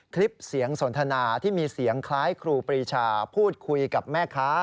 คลิปเสียงสนทนาที่มีเสียงคล้ายครูปรีชาพูดคุยกับแม่ค้า